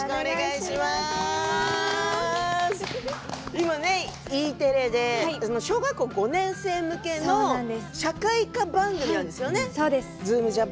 今、Ｅテレで小学校５年生向けの社会科番組に出演されてるんですよね。